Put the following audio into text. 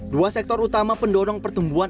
dua sektor utama pendorong pertumbuhan